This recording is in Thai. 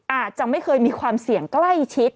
อาจจะไม่เคยมีความเสี่ยงใกล้ชิด